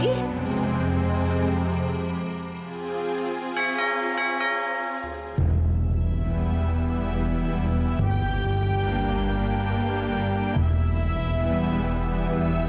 kamu istirahat dengan tenang